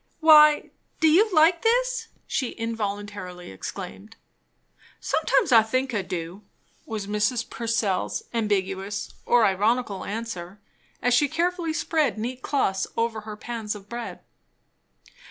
"Why, do you like this?" she involuntarily exclaimed. "Sometimes I think I do," was Mrs. Purcell's ambiguous, or ironical, answer; as she carefully spread neat cloths over her pans of bread.